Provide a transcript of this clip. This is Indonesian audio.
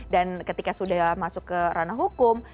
dan ketika sudah masuk ke ranah hukum